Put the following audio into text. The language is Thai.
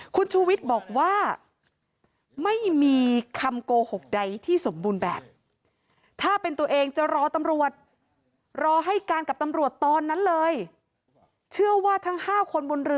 คุณชูวิทย์บอกว่าไม่มีคำโกหกใดที่สมบูรณ์แบบ